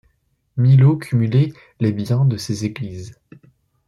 Milo cumulait les biens de ces églises.